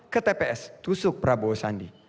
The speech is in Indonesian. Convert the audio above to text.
ke tps tusuk prabowo sandi